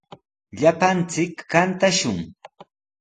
Llapanchik kantashun.